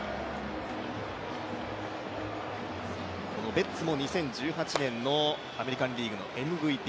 ベッツも２０１８年のアメリカン・リーグのＭＶＰ。